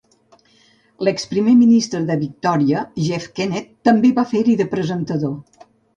L'ex Primer Ministre de Victòria Jeff Kennett també va fer-hi de presentador.